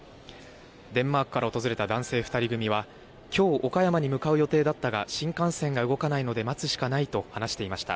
デンマークから訪れた男性２人組は、きょう岡山に向かう予定だったが新幹線が動かないので待つしかないと話していました。